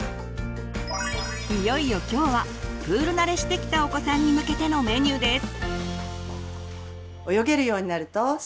いよいよ今日はプール慣れしてきたお子さんに向けてのメニューです。